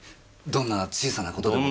どんな小さな事でも。